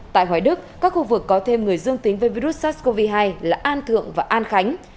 tại hoài đức các khu vực có thêm người dương tính với virus sars cov hai là an thượng và an khánh